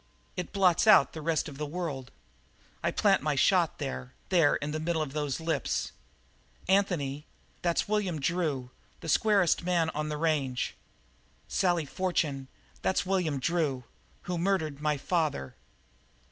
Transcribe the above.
It blots out the rest of the world. I'll plant my shot there there in the middle of those lips." "Anthony, that's William Drew, the squarest man on the range." "Sally Fortune, that's William Drew, who murdered my father!"